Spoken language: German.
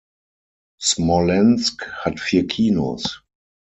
Smolensk hat vier Kinos.